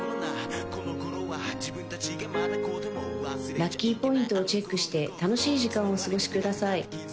ラッキーポイントをチェックして楽しい時間をお過ごしください